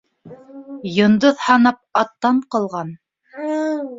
Йондоҙ һанап, аттан ҡалған.